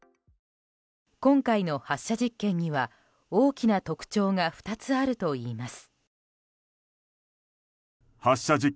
今回の発射実験には大きな特徴が２つあるといいます。